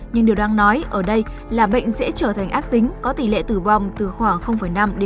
nhưng điều đang nói ở đây là bệnh sẽ trở thành ác tính có tỷ lệ tử vong từ khoảng năm bốn